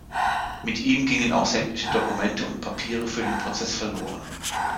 Mit ihm ihnen gingen auch sämtliche Dokumente und Papiere für den Prozess verloren.